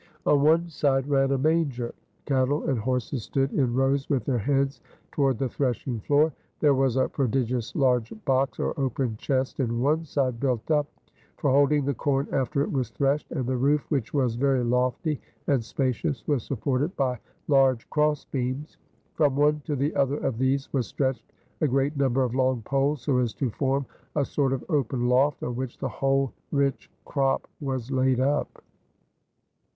On one side ran a manger. Cattle and horses stood in rows with their heads toward the threshing floor. "There was a prodigious large box or open chest in one side built up, for holding the corn after it was threshed, and the roof which was very lofty and spacious was supported by large cross beams. From one to the other of these was stretched a great number of long poles so as to form a sort of open loft, on which the whole rich crop was laid up."